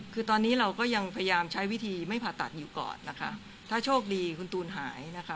คือตอนนี้เราก็ยังพยายามใช้วิธีไม่ผ่าตัดอยู่ก่อนนะคะถ้าโชคดีคุณตูนหายนะคะ